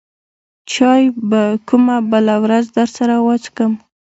چاى به کومه بله ورځ درسره وڅکم.